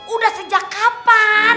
udah sejak kapan